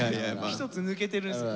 一つ抜けてるんですよね。